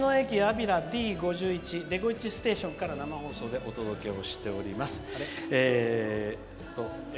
びらＤ５１ステーションから生放送でお届けをしております。